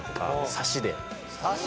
サシで？